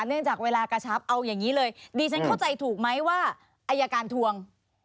เนื่องจากเวลากระชับเอาอย่างนี้เลยดีฉันเข้าใจถูกไหมว่าอายการทวง